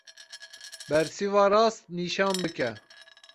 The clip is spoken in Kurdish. Bersiva rast nîşan bike.